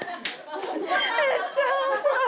めっちゃ面白い！